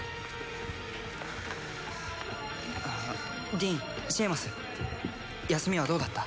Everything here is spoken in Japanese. ディーンシェーマス休みはどうだった？